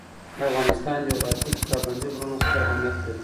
د افغانستان جغرافیه کې پابندی غرونه ستر اهمیت لري.